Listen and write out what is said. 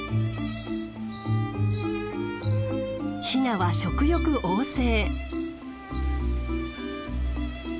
ヒナは食欲旺盛。